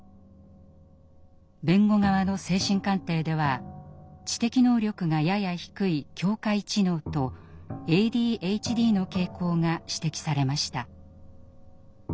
弁護側の精神鑑定では知的能力がやや低い「境界知能」と「ＡＤＨＤ」の傾向が指摘されました。